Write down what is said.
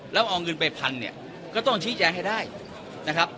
แล้วเอาเงินไปพันเนี่ยก็ต้องชี้แจงให้ได้นะครับ